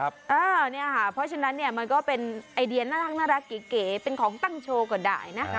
เพราะฉะนั้นเนี่ยมันก็เป็นไอเดียน่ารักเก๋เป็นของตั้งโชว์ก็ได้นะ